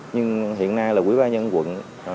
nhưng hiện nay là ủy ban nhân quận